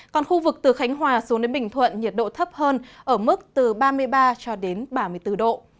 còn khu vực từ khánh hòa xuống đến bình thuận nhiệt độ thấp hơn ở mức từ ba mươi ba cho đến ba mươi bốn độ